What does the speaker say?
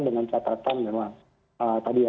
dengan catatan memang tadi ya